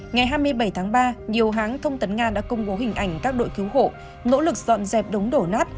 ngày hai mươi bảy tháng ba nhiều hãng thông tấn nga đã công bố hình ảnh các đội cứu hộ nỗ lực dọn dẹp đống đổ nát